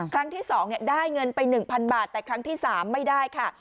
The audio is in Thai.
ครั้งที่๒ได้เงินไป๑๐๐บาทแต่ครั้งที่๓ไม่ได้ค่ะ